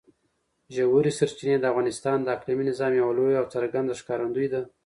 ژورې سرچینې د افغانستان د اقلیمي نظام یوه لویه او څرګنده ښکارندوی ده.